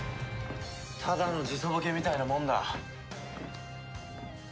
ただの時差ボケみたいなもんだ。